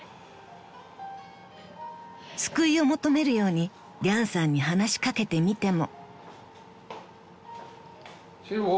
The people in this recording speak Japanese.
［救いを求めるようにリャンさんに話し掛けてみても］